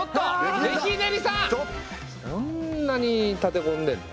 そんなに立てこんでんの？